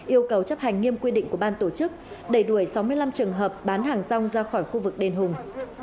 yêu cầu chấp hành nghiêm quy định của ban tổ chức đẩy đuổi sáu mươi năm trường hợp bán hàng rong ra khỏi khu vực đền hùng